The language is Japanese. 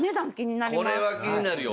これは気になるよ。